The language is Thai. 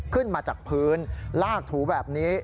ขึ้นมาจากพื้นลากถูแบบนี้